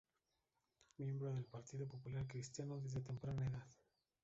Miembro del Partido Popular Cristiano desde temprana edad.